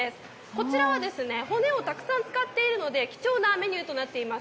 こちらは骨をたくさん使っているので貴重なメニューとなっています。